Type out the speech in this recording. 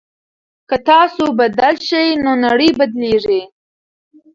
که تاسو بدل شئ نو نړۍ بدليږي.